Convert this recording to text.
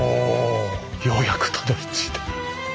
ようやくたどりついた。